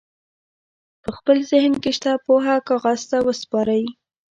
په خپل ذهن کې شته پوهه کاغذ ته وسپارئ.